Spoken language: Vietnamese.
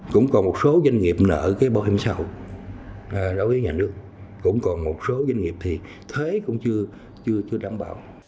cũng còn một số doanh nghiệp nợ bảo hiểm sau đối với nhà nước cũng còn một số doanh nghiệp thì thế cũng chưa đảm bảo